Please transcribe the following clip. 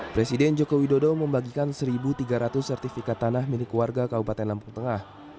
presiden joko widodo membagikan satu tiga ratus sertifikat tanah milik warga kabupaten lampung tengah